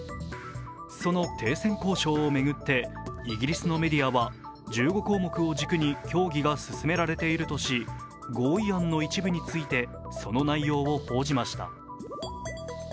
その停戦交渉を巡ってイギリスのメディアは１５項目を軸に協議が進められているとし合意案の一部についてその内容を報じました。